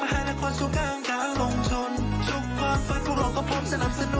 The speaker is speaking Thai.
ประโยชน์ของพี่นกประชาชนทำให้สิ่งที่ไม่เคยจัดกับพวกภาพแบบไทย